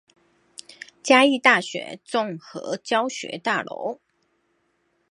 嘉義大學綜合教學大樓